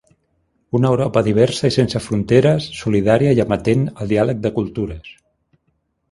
Una Europa diversa i sense fronteres, solidària i amatent al diàleg de cultures.